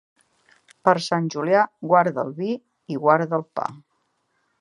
Per Sant Julià, guarda el vi i guarda el pa.